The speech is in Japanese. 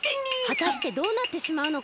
はたしてどうなってしまうのか？